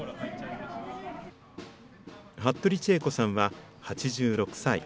服部千恵子さんは８６歳。